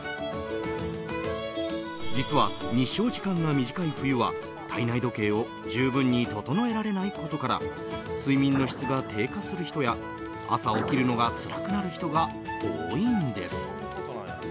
実は、日照時間が短い冬は体内時計を十分に整えられないことから睡眠の質が低下する人や朝起きるのがつらくなる人が多いんです。